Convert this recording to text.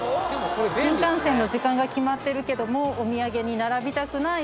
新幹線の時間が決まってるけどもお土産に並びたくない。